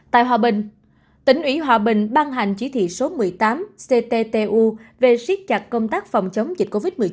tại hòa bình tỉnh ủy hòa bình ban hành chỉ thị số một mươi tám cttu về siết chặt công tác phòng chống dịch covid một mươi chín